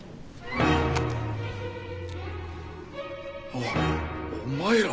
おお前ら。